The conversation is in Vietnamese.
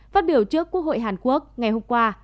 phát biểu trước quốc hội hàn quốc ngày hôm qua